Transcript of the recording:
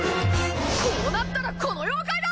こうなったらこの妖怪だ！